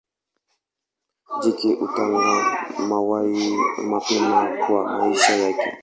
Jike hutaga mayai mapema kwa maisha yake.